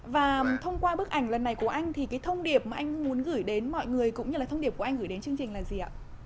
và thông qua bức ảnh lần này của anh thì cái thông điệp mà anh muốn gửi đến mọi người cũng như là thông điệp của anh gửi đến chương trình là gì ạ